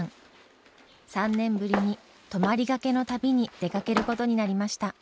３年ぶりに泊まりがけの旅に出かけることになりました。